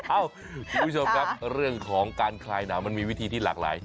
เอ้าคุณผู้ชมครับเรื่องของการคลายหนาวมันมีวิธีที่หลากหลาย